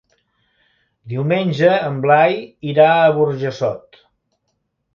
Diumenge en Blai irà a Burjassot.